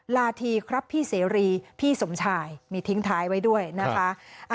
นาทีครับพี่เสรีพี่สมชายมีทิ้งท้ายไว้ด้วยนะคะ